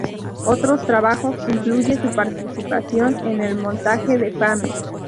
Otros trabajos incluye su participación en el montaje de "Fame.